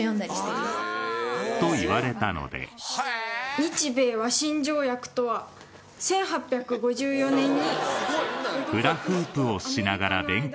「日米和親条約とは１８５４年に」。